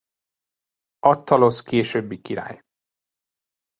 Attalosz későbbi király.